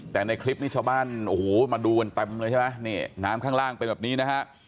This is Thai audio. แต่ในคลิปนี้ชาวบ้านโอ้โหมาดูกันเต็มเลยใช่ไหมนี่น้ำข้างล่างเป็นแบบนี้นะฮะ